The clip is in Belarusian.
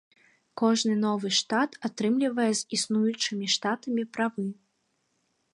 Кожны новы штат атрымлівае з існуючымі штатамі правы.